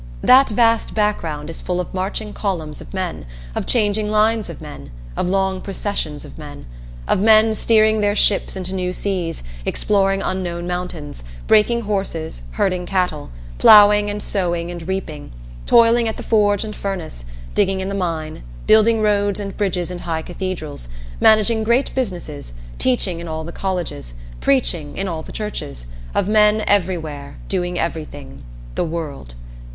That vast background is full of marching columns of men, of changing lines of men, of long processions of men; of men steering their ships into new seas, exploring unknown mountains, breaking horses, herding cattle, ploughing and sowing and reaping, toiling at the forge and furnace, digging in the mine, building roads and bridges and high cathedrals, managing great businesses, teaching in all the colleges, preaching in all the churches; of men everywhere, doing everything "the world."